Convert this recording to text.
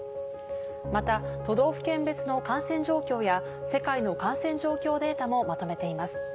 また都道府県別の感染状況や世界の感染状況データもまとめています。